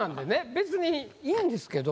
別にいいんですけど。